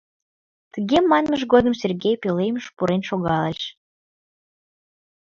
Тыге манмыж годым Сергей пӧлемыш пурен шогалеш.